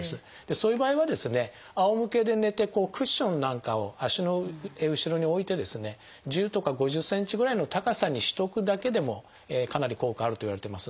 そういう場合はですねあおむけで寝てクッションなんかを足の後ろに置いてですね１０とか５０ｃｍぐらいの高さにしておくだけでもかなり効果があるといわれています。